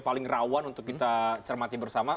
paling rawan untuk kita cermati bersama